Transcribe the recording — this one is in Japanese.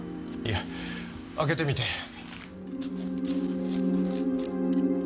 いや開けてみて。